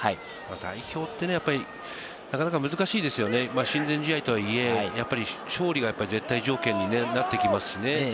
代表ってなかなか難しいですよね、親善試合とはいえ、勝利が絶対条件になってきますしね。